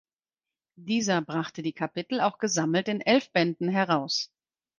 Dieser brachte die Kapitel auch gesammelt in elf Bänden heraus.